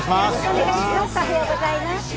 おはようございます。